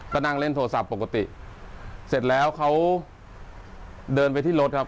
ก็นั่งเล่นโทรศัพท์ปกติเสร็จแล้วเขาเดินไปที่รถครับ